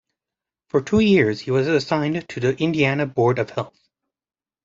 For two years he was assigned to the Indiana Board of Health.